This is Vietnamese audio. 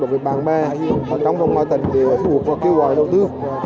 đối với bạn bè trong tầng thu hút và kêu gọi đầu tư